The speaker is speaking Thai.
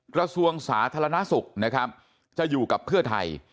กระทรวงสาธารณสุขนะครับจะอยู่กับเพื่อไทย